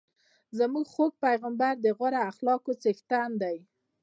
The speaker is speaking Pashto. زموږ خوږ پیغمبر د غوره اخلاقو څښتن دی.